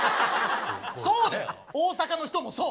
そうだよ大阪の人もそう。